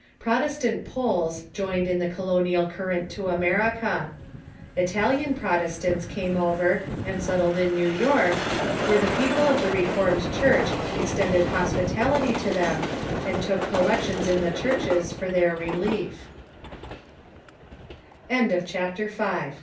Prot estant Poles joined in the colonial current to America. Ital ian Protestants came over, and settled in New York, where the people of the Reformed Church extended hospitality to them and took collections in the churches for their r